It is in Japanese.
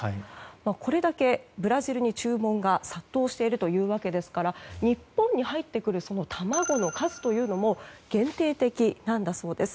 これだけブラジルに注文が殺到しているというわけですから日本に入ってくる卵の数というのも限定的なんだそうです。